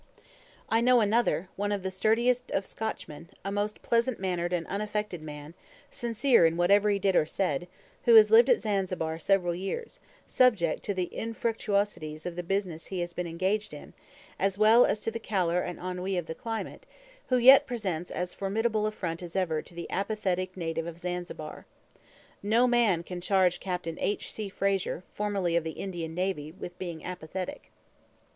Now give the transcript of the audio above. I know another, one of the sturdiest of Scotchmen, a most pleasant mannered and unaffected man, sincere in whatever he did or said, who has lived at Zanzibar several years, subject to the infructuosities of the business he has been engaged in, as well as to the calor and ennui of the climate, who yet presents as formidable a front as ever to the apathetic native of Zanzibar. No man can charge Capt. H. C. Fraser, formerly of the Indian Navy, with being apathetic.